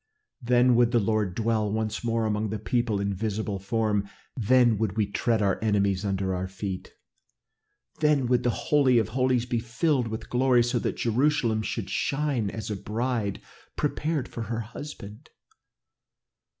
Then would the Lord dwell once more among his people in visible form. Then would we tread our enemies under our feet, then would the Holy of Holies be filled with glory so that Jerusalem should shine as a bride prepared for her husband.